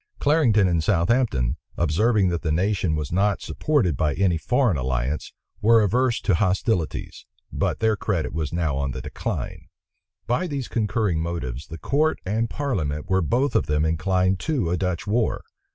Clarendon and Southampton, observing that the nation was not supported by any foreign alliance, were averse to hostilities; but their credit was now on the decline. By these concurring motives, the court and parliament were both of them inclined to a Dutch war.